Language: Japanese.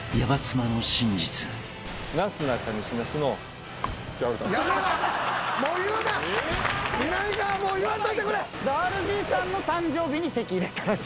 ＲＧさんの誕生日に籍入れたらしい。